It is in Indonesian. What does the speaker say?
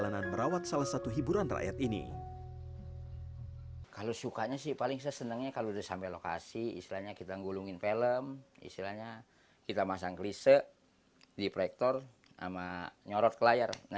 nah itu yang sukanya